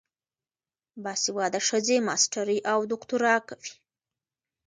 باسواده ښځې ماسټري او دوکتورا کوي.